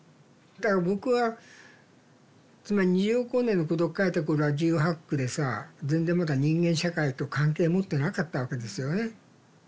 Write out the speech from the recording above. だから僕はつまり「二十億光年の孤独」書いた頃は１８１９でさ全然まだ人間社会と関係持ってなかったわけですよね。